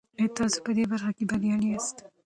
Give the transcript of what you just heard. آیا تاسو په دې برخه کې بریالي یاست؟